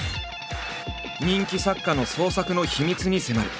人気作家の創作の秘密に迫る。